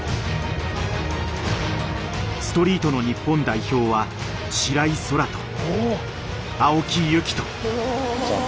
ストリートの日本代表は白井空良と青木勇貴斗。